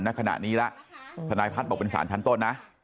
ณขณะนี้แล้วทนายพัฒน์บอกเป็นสารชั้นต้นนะ